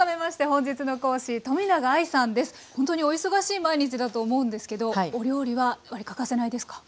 本当にお忙しい毎日だと思うんですけどお料理はやっぱり欠かせないですか？